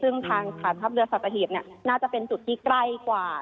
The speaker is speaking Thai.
ซึ่งทางฐานทัพเรือสัตหีบน่าจะเป็นจุดที่ใกล้กว่า